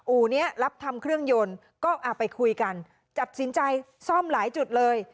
อู่นี้รับทำเครื่องยนต์ก็ไปคุยกันตัดสินใจซ่อมหลายจุดเลย